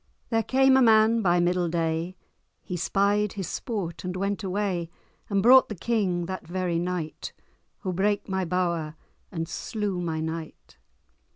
There came a man by middle day, He spied his sport, and went away; And brought the King that very night, Who brake my bower, and slew my knight.